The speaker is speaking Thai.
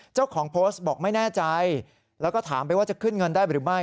เจ้าของโพสต์บอกไม่แน่ใจแล้วก็ถามไปว่าจะขึ้นเงินได้หรือไม่